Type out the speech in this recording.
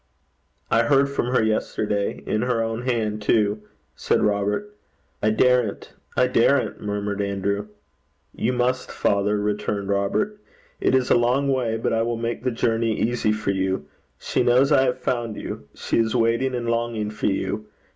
'I heard from her yesterday in her own hand, too,' said Robert. 'I daren't. I daren't,' murmured Andrew. 'You must, father,' returned Robert. 'It is a long way, but I will make the journey easy for you. She knows I have found you. She is waiting and longing for you.